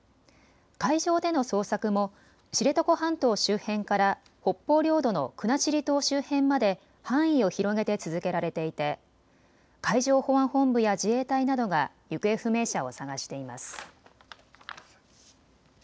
海上での捜索も知床半島周辺から北方領土の国後島周辺まで範囲を広げて続けられていて海上保安本部や自衛隊などが行方不明者を捜しています。